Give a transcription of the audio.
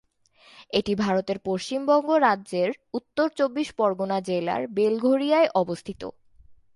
এটি ভারতের পশ্চিমবঙ্গ রাজ্যের উত্তর চব্বিশ পরগণা জেলার বেলঘরিয়ায় অবস্থিত।